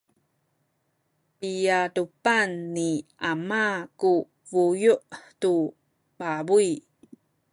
piadupan ni ama ku buyu’ tu pabuy.